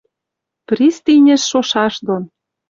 Пристинӹш шошаш дон